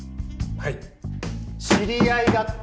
はい。